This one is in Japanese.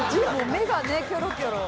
目がねキョロキョロ。